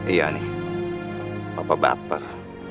iya nih papa baper